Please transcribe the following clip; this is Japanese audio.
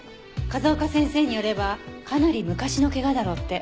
風丘先生によればかなり昔の怪我だろうって。